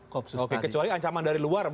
kopsus oke kecuali ancaman dari luar